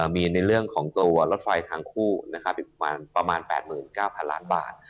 มีในเรื่องของตัวรถไฟทางคู่อีกประมาณ๘๙๐๐ล้านบาท